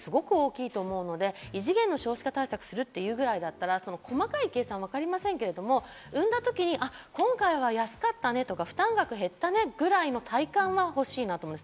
金銭的な負担ですごく大きいと思っていて、異次元の少子化対策をするというくらいだったら、細かい計算はわかりませんけど、産んだ時に今回は安かったねとか、負担額減ったねくらいの体感は欲しいなと思います。